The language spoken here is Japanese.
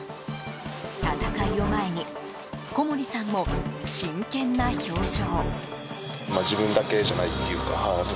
戦いを前に小森さんも真剣な表情。